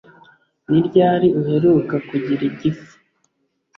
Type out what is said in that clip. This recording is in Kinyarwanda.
Ni ryari uheruka kugira igifu